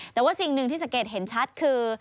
แต่ว่าสิ่งหนึ่งที่สังเกตเห็นชัดคือ